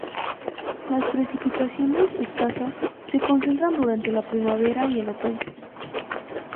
Las precipitaciones, escasas, se concentran durante la primavera y el otoño.